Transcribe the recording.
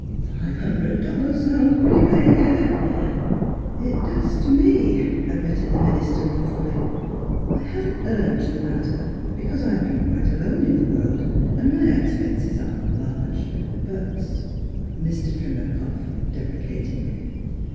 " Five hundred dol lars sounds pretty big — eh? "" It does to me," admitted the minister ruefully. " I haven't urged the matter Mdss Fhilura's Wedding Gown because I've been quite alone in the world, and my expenses are not large. But —" Mr. Trimmer coughed deprecatingly.